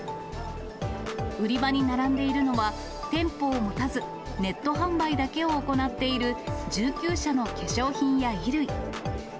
売り場に並んでいるのは、店舗を持たず、ネット販売だけを行っている、１９社の化粧品や衣類。